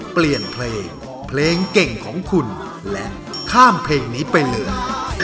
เปลี่ยนเพลงเพลงเก่งของคุณและข้ามเพลงนี้ไปเลย